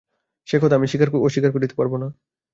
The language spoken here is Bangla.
সে কথা আমি অস্বীকার করতে পারব না।